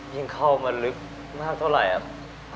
ยิ่งเข้ามาลึกมากเท่าไหร่อ่ะ